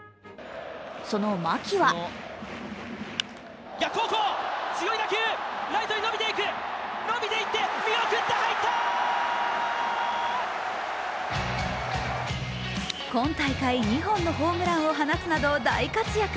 その牧は今大会２本のホームランを放つなど大活躍。